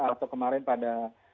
atau kemarin pada dennis rehgar